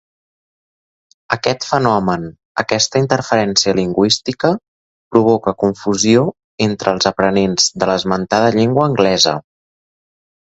Aquest fenomen, aquesta interferència lingüística, provoca confusió entre els aprenents de l’esmentada llengua anglesa.